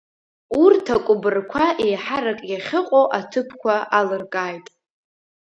Урҭ акәыбрқәа еиҳарак иахьыҟоу аҭыԥқәа алыркааит.